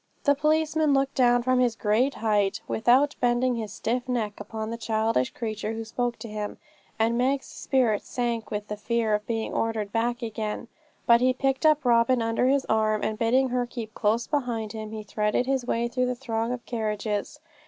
The policeman looked down from his great height, without bending his stiff neck, upon the childish creature who spoke to him, and Meg's spirit sank with the fear of being ordered back again. But he picked up Robin under his arm, and bidding her keep close beside him, he threaded his way through the throng of carriages.